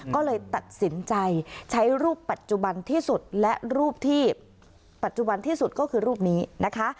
ก็เลยตัดสินใจใช้รูปปัจจุบันที่สุดและรูปที่ปัจจุบันที่สุดก็คือรูปนี้นะคะ